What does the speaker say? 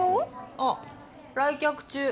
あっ来客中。